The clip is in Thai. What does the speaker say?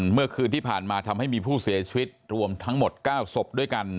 เมื่อคืนที่ผ่านมาทำให้มีผู้เสียชีวิตรวมทั้งหมด๙ศพด้วยกัน